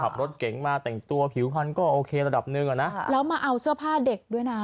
ขับรถเก๋งมาแต่งตัวผิวพันธุก็โอเคระดับหนึ่งอ่ะนะแล้วมาเอาเสื้อผ้าเด็กด้วยนะ